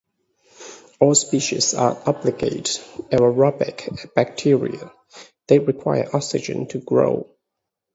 All species are obligate aerobic bacteria; they require oxygen to grow.